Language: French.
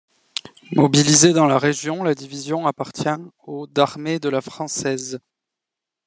Mobilisée dans la Région, la division appartient au d'armée de la française.